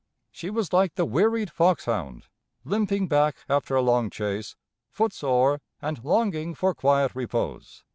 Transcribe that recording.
She was like the wearied fox hound, limping back after a long chase, foot sore, and longing for quiet repose."